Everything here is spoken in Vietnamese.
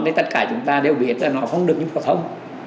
đấy tất cả chúng ta đều biết là nó không được như có không